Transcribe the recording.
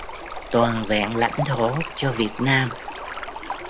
toàn vẹn lãnh thổ cho Việt Nam